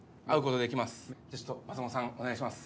お願いします